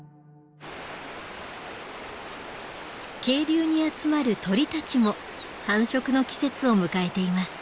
渓流に集まる鳥たちも繁殖の季節を迎えています。